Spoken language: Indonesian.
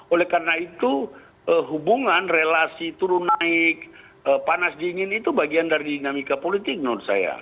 oleh karena itu hubungan relasi turun naik panas dingin itu bagian dari dinamika politik menurut saya